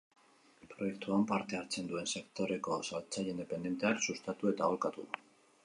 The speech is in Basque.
Proiektuan parte hartzen duen sektoreko saltzaile independenteak sustatu eta aholkatu.